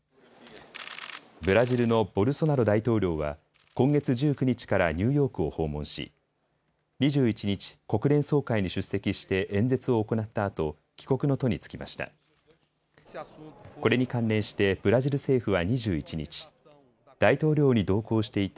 ブラジルのボルソナロ大統領は今月１９日からニューヨークを訪問し２１日、国連総会に出席して演説を行ったあと帰国の途に就きました。